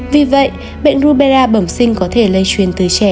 vì vậy bệnh rubela bẩm sinh có thể lây truyền từ trẻ